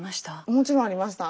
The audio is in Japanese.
もちろんありました。